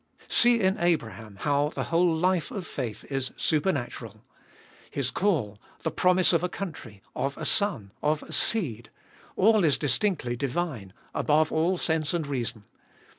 1. See in Abraham how the whole life of faith is supernatural. His call, the promise of a country, of a son, of a seed— all is distinctly divine, above all sense and reason.